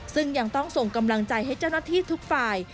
ซึ่งยังต้องส่งกำลังใจให้เจ้าหน้าที่ทุกฝ่าย